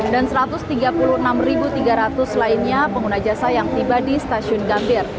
dan satu ratus tiga puluh enam tiga ratus lainnya pengguna jasa yang tiba di stasiun gambir